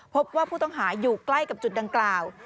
พบว่าผู้ต้องหาอยู่ใกล้กับจุดดังกล่าว